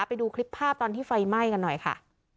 ไปดูคลิปภาพตอนที่ไฟไหม้กันหน่อยค่ะ